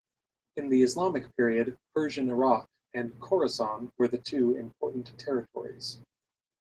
In the Islamic period, "Persian Iraq" and "Khorasan" were the two important territories.